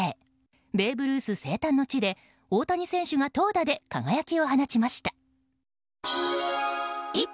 ベーブ・ルース生誕の地で大谷選手が投打で輝きを放ちました。